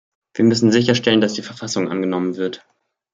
Wir müssen sicherstellen, dass die Verfassung angenommen wird.